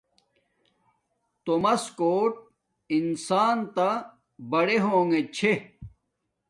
تومس کوٹ انسان تا بڑے ہونگے چھے